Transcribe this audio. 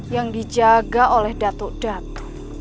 yang dijaga oleh datuk datuk